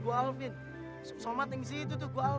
gua alvin somad yang sebelah sana